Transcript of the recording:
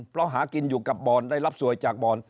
เพราะหากินอยู่กับบอลได้รับสวยจากบอน